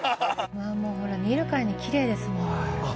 もうほら見るからにきれいですもん。